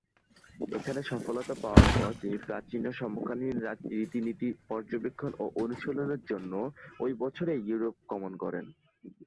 এখানে সফলতা পাওয়ার পর তিনি প্রাচীন ও সমকালীন রীতিনীতি পর্যবেক্ষণ ও অনুশীলনের জন্য ওই বছরেই ইউরোপ গমন করেন।